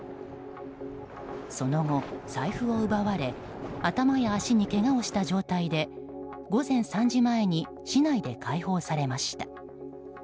その後、財布を奪われ頭や足にけがをした状態で午前３時前に市内で解放されました。